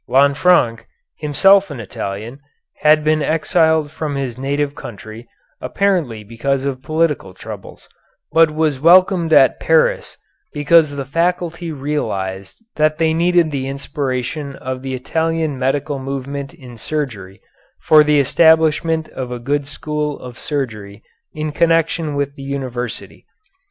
Lanfranc, himself an Italian, had been exiled from his native country, apparently because of political troubles, but was welcomed at Paris because the faculty realized that they needed the inspiration of the Italian medical movement in surgery for the establishment of a good school of surgery in connection with the university.